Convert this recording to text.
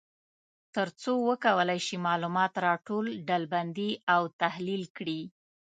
تر څو وکولای شي معلومات را ټول، ډلبندي او تحلیل کړي.